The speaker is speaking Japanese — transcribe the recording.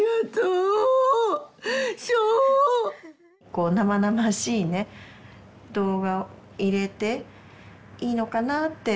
こう生々しいね動画を入れていいのかなって。